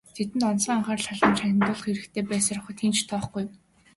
Тэдэнд онцгой анхаарал халамж хандуулах хэрэгтэй байсаар байхад хэн ч тоохгүй.